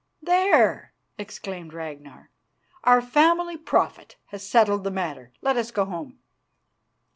"There!" exclaimed Ragnar. "Our family prophet has settled the matter. Let us go home."